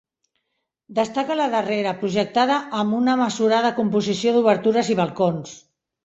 Destaca la darrera, projectada amb una mesurada composició d'obertures i balcons.